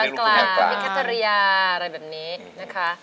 ลิขาทะเลียร์แบบนี้นะคะ